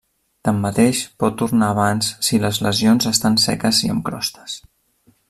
Tanmateix, pot tornar abans si les lesions estan seques i amb crostes.